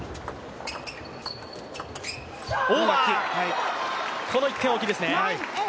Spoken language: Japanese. オーバー、この１点は大きいですね。